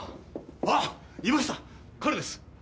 ・あっいました彼です。